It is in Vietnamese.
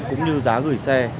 cũng như giá gửi xe